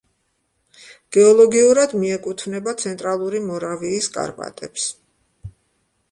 გეოლოგიურად მიეკუთვნება ცენტრალური მორავიის კარპატებს.